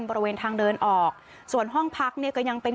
บริเวณทางเดินออกส่วนห้องพักเนี่ยก็ยังเป็น